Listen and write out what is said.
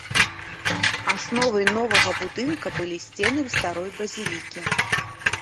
Асновай новага будынка былі сцены старой базілікі.